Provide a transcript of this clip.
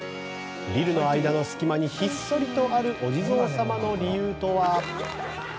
ビルの間の隙間にひっそりとあるお地蔵様の理由とは？